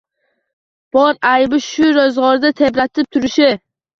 Bor aybi shu ro‘zg‘ordi tebratib turishi